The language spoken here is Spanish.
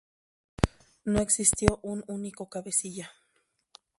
No existió un único cabecilla.